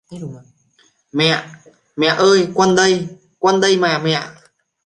Mẹ Mẹ ơi con đây con đây mà mẹ